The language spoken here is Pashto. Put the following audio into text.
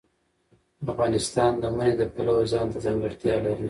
افغانستان د منی د پلوه ځانته ځانګړتیا لري.